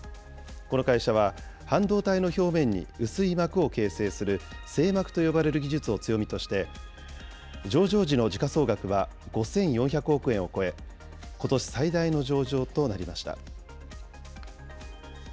この会社は、半導体の表面に薄い膜を形成する成膜と呼ばれる技術を強みとして、上場時の時価総額は５４００億円を超え、ことし最大の上場となりました。